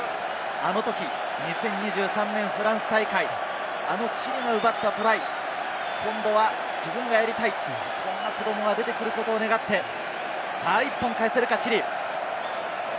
あのとき２０２３年フランス大会、あのチリが奪ったトライ、今度は自分がやりたい、そんな子どもが出てくることを願って、さぁ１本返せるか、チリ。